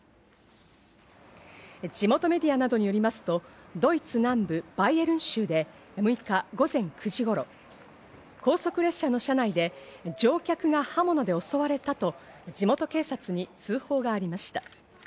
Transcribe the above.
地元メディアなどによりますと、ドイツ南部・バイエルン州で６日、午前９時頃、高速列車の車内で乗客が刃物で襲われたと地元警察に通報がありました。